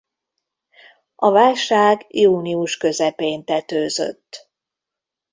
A válság június közepén tetőzött.